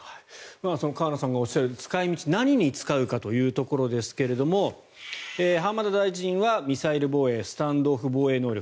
河野さんがおっしゃる使い道、何に使うかですが浜田大臣はミサイル防衛スタンドオフ防衛能力